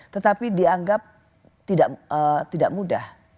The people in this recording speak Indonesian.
tetapi dianggap tidak mudah